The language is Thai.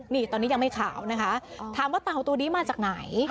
นี่ตอนนี้ยังไม่ขาวนะคะถามว่าเต่าตัวนี้มาจากไหน